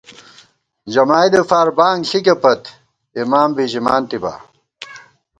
جمائیدے فار بانگ ݪِکےپت، اِمام بی ژِمانتِبا